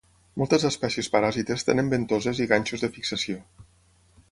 Moltes espècies paràsites tenen ventoses i ganxos de fixació.